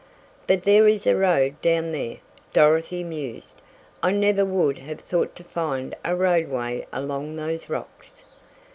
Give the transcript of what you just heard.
"But there is a road down there," Dorothy mused. "I never would have thought to find a roadway along those rocks.